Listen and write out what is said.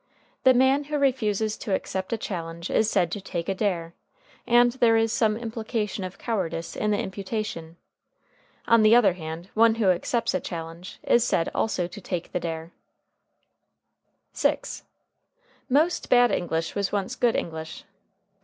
The man who refuses to accept a challenge is said to take a dare, and there is some implication of cowardice in the imputation. On the other hand, one who accepts a challenge is said also to take the dare.] [Footnote 6: Most bad English was once good English.